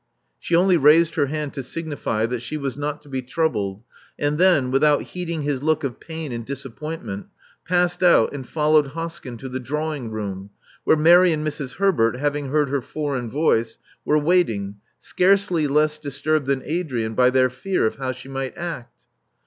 She only raised her hand to signify that she was not to be troubled, and then, without heeding his look of pain and disappointment, passed out and followed Hoskyn to the drawing room, where Mary and Mrs. Herbert, having heard her foreign voice, were waiting, scarcely less disturbed than Adrian by their fear of how she might act.